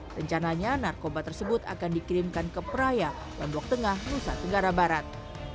rencananya narkoba tersebut akan dikirimkan ke praya lombok tengah nusa tenggara barat